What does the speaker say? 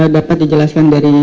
dapat dijelaskan dari